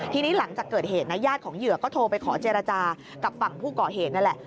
ทีนี้หลังจากเกิดเหตุนะญาติของเหยื่อก็โทรไปขอเจรจากับฝั่งผู้ก่อเหตุนั่นแหละ